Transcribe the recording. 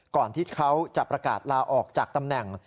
ก่อนที่เขาจะประกาศลาออกจากตำแหน่ง